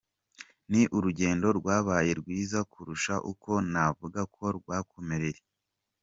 Ni urugendo rwabaye rwiza kurusha uko navuga ko rwankomereye.